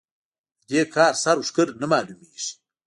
د دې کار سر و ښکر نه مالومېږي.